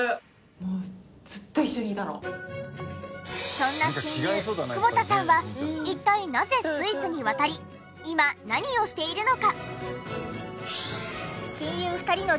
そんな親友久保田さんは一体なぜスイスに渡り今何をしているのか？